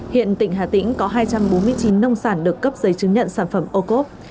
hiện tỉnh hà tĩnh có hai trăm bốn mươi chín nông sản được cấp giấy chứng nhận sản phẩm ô cốp